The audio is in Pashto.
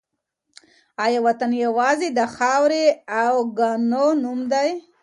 آیا وطن یوازې د خاورې او کاڼو نوم دی؟